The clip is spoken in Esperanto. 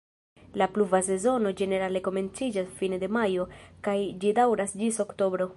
La pluva sezono ĝenerale komenciĝas fine de majo kaj ĝi daŭras ĝis oktobro.